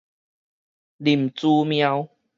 林姿妙